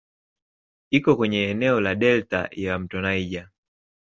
Iko kwenye eneo la delta ya "mto Niger".